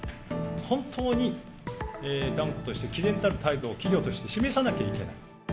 本当に断固としてきぜんたる態度を企業として示さなきゃいけない。